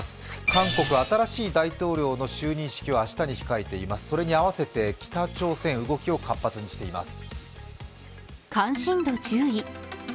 韓国新しい大統領の就任式を明日に控えています、それに合わせて北朝鮮、動きを活発にしています。